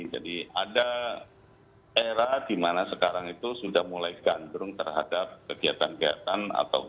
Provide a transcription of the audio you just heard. jadi ada era di mana sekarang itu sudah mulai gandrung terhadap kegiatan kegiatan